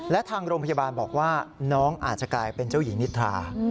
และทางโรงพยาบาลบอกว่าน้องอาจจะกลายเป็นเจ้าหญิงนิทรา